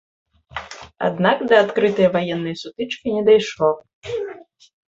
Аднак да адкрытай ваеннай сутычкі не дайшло.